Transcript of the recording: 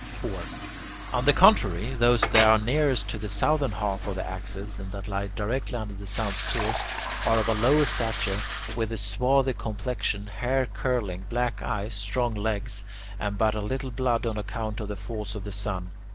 4. On the contrary, those that are nearest to the southern half of the axis, and that lie directly under the sun's course, are of lower stature, with a swarthy complexion, hair curling, black eyes, strong legs, and but little blood on account of the force of the sun.